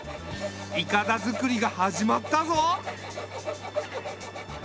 いかだ作りが始まったぞ。